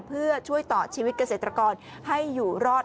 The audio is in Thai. เพื่อช่วยต่อชีวิตเกษตรกรให้อยู่รอด